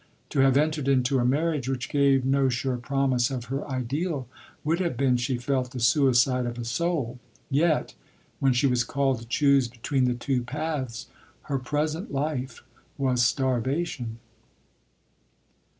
To have entered into a marriage which gave no sure promise of her ideal, would have been, she felt, the suicide of a soul; yet, when she was called to choose between the two paths, her present life was starvation.